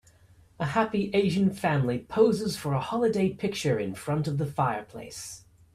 A happy Asian family poses for a holiday picture in front of the fireplace.